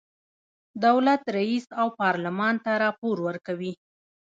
دولت رئیس او پارلمان ته راپور ورکوي.